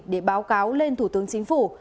để báo cáo lên thủ tướng chính phủ